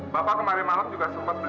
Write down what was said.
bentar tadi ibu udah goreng kerupuk